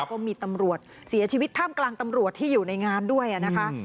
ก็มีตำรวจเสียชีวิตท่ามกลางตำรวจที่อยู่ในงานด้วยนะคะ